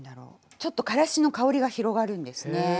ちょっとからしの香りが広がるんですね。